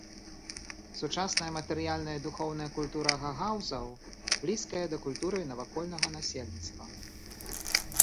Сучасная матэрыяльная і духоўная культура гагаузаў блізкая да культуры навакольнага насельніцтва.